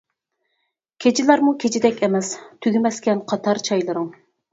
كېچىلەرمۇ كېچىدەك ئەمەس، تۈگىمەسكەن قاتار چايلىرىڭ.